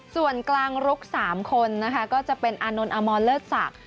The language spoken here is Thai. ส่วนกลางลุก๓คนก็จะเป็นอานนวนอามรเลิศสัก